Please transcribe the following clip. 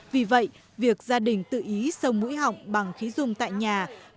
vì vậy việc gia đình tự ý sâu mũi họng bằng khí dung tại nhà